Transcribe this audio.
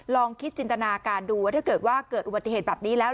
ลองคิดจินตนาการดูว่าถ้าเกิดว่าเกิดอุบัติเหตุแบบนี้แล้ว